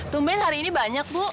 tumben hari ini banyak bu